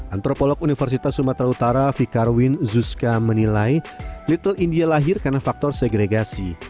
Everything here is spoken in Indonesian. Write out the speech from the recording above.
antropolog universitas sumatera utara fikarwin zuska menilai little india lahir karena faktor segregasi